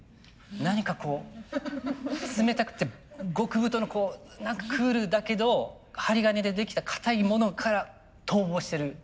何かこう冷たくて極太の何かクールだけど針金でできたかたいものから逃亡してる。